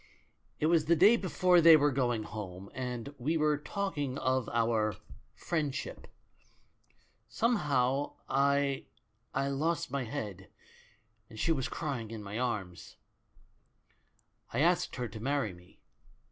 "It was the day before they were going home, and we were talk ing of our 'friendship.' Somehow I — I lost my head, and she was crying in my arms. "I asked her to marry me.